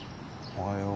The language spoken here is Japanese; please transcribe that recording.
おはよう。